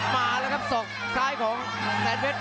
มาแล้วครับส่องซ้ายของแซนเฟส